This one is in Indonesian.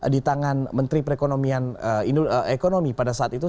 di tangan menteri perekonomian ekonomi pada saat itu